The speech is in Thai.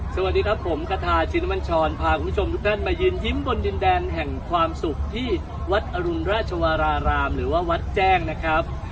สวัสดีครับผมคาทาชินมัญชรพาคุณผู้ชมทุกท่านมายืนยิ้มบนดินแดนแห่งความสุขที่วัดอรุณราชวรารามหรือว่าวัดแจ้งนะครับ